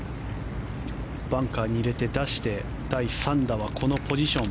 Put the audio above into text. バンカーに入れて出して第３打はこのポジション。